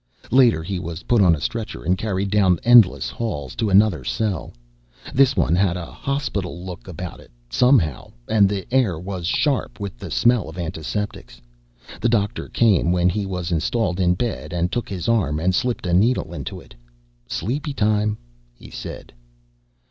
Later he was put on a stretcher and carried down endless halls to another cell. This one had a hospital look about it, somehow, and the air was sharp with the smell of antiseptics. The doctor came when he was installed in bed and took his arm and slipped a needle into it. "Sleepy time," he said.